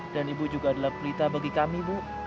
dan ibu juga adalah pelita bagi kami bu